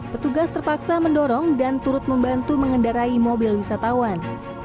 petugas terpaksa mendorong dan turut membantu mengendarai mobil wisatawan